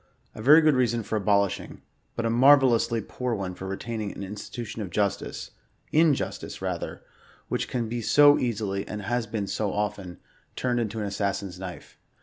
A very good reason for abolishing, but a maTvelloXisly p'oor one for retaining "an in «titution of justice" (injustice, rather,) which can be so easily, and has been so often, turned into "an assassin's knife."